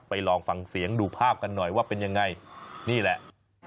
ลองฟังเสียงดูภาพกันหน่อยว่าเป็นยังไงนี่แหละ